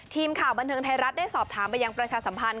ทีมข่าวบันเทิงไทยรัฐได้สอบถามไปยังประชาสัมพันธ์